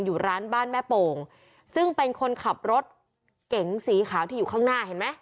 อยู่ร้านบ้านแม่โป่งซึ่งเป็นคนขับรถเก๋งสีขาวที่อยู่ข้างหน้าเห็นไหม